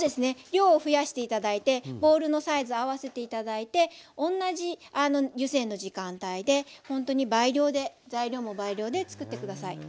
量を増やして頂いてボウルのサイズ合わせて頂いておんなじ湯煎の時間帯でほんとに倍量で材料も倍量でつくって下さい。